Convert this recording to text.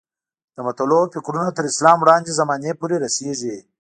د متلونو فکرونه تر اسلام وړاندې زمانې پورې رسېږي